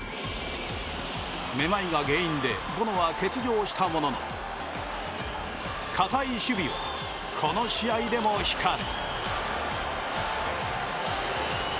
めまいが原因でボノは欠場したものの堅い守備はこの試合でも光る。